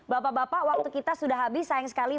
bapak bapak waktu kita sudah habis sayang sekali